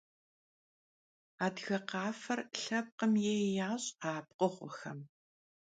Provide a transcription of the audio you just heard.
Adıge khafer lhepkhım yêy yaş' a pkhığuexem.